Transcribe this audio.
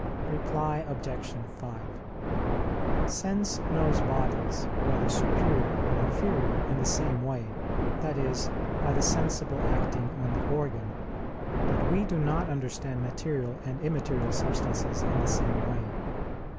Reply Obj. 5: Sense knows bodies, whether superior or inferior, in the same way, that is, by the sensible acting on the organ. But we do not understand material and immaterial substances in the same way.